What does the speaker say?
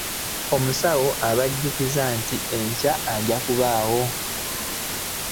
Omusawo abajjukiza nti enkya ajja kubaawo.